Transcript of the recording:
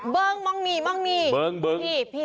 เบิ้งมองมีพี่